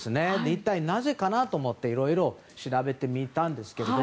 一体なぜかなと思っていろいろ調べてみたんですけど。